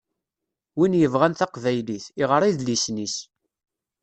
Win yebɣan taqbaylit, iɣeṛ idlisen-is.